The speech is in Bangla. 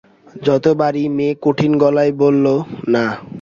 তত বারই মেয়ে কঠিন গলায় বলল, না।